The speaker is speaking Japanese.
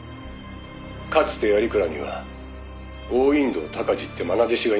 「かつて鑓鞍には王隠堂鷹児って愛弟子がいました」